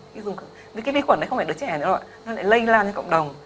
vì cái vi khuẩn đấy không phải đứa trẻ nữa nó lại lây lan cho cộng đồng